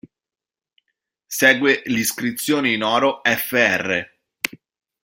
Segue l'iscrizione in oro: "Fr.